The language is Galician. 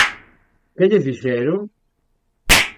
Que lle fixeron?